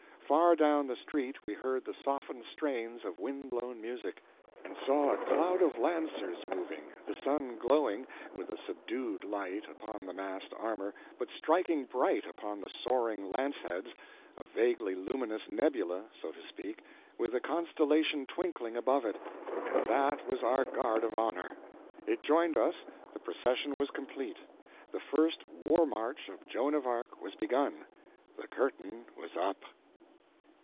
Far down the street we heard the softened strains of wind blown music, and saw a cloud of lancers moving, the sun glowing with a subdued light upon the massed armor, but striking bright upon the soaring lance heads—a vaguely luminous nebula, so to speak, with a constellation twinkling above it—and that was our guard of honor. It joined us, the procession was complete, the first war march of Joan of Arc was begun, the curtain was up.